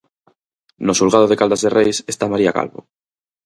No xulgado de Caldas de Reis está María Calvo.